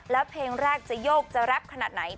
แล้วเพลงแรกจะโยกจะแรปขนาดไหน